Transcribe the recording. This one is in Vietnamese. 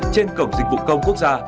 trên cổng dịch vụ công quốc gia